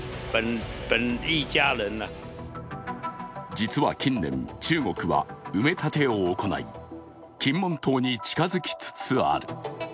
実は近年、中国は埋め立てを行い金門島に近づきつつある。